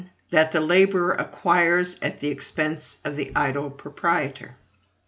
That the laborer acquires at the expense of the idle proprietor; 2.